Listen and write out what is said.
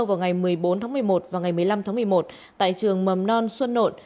vào ngày một mươi bốn tháng một mươi một và ngày một mươi năm tháng một mươi một tại trường mầm non xuân nộn